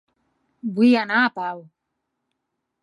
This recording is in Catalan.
Vull anar a Pau